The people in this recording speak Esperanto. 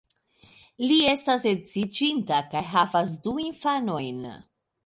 Li estas edziĝinta kaj havas du infanojn.